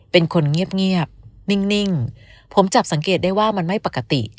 เป็นคนเงียบนิ่งผมจับสังเกตได้ว่ามันไม่ปกติ